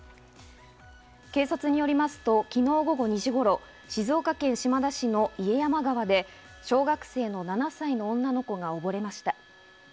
警察によりますと昨日午後２時頃静岡県島田市の家山川で小学生の７歳の女の子がおぼれました。